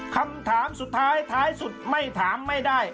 คำถามสุดท้ายท้ายสุดไม่ถามไม่ได้